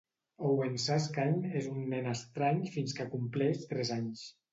Owen Suskind és un nen estrany fins que compleix tres anys.